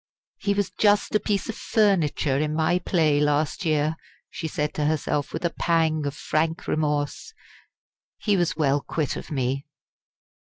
"He was just a piece of furniture in my play last year," she said to herself with a pang of frank remorse. "He was well quit of me!"